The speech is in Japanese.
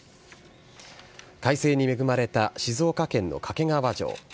快晴に恵まれた静岡県の掛川城。